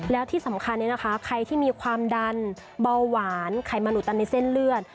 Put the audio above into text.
แล้วที่สำคัญเนี่ยนะคะใครที่มีความดันเบาหวานไขมันอุตันในเส้นเลือด